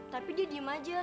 tapi dia diem aja